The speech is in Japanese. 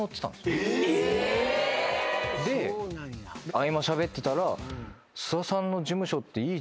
合間しゃべってたら。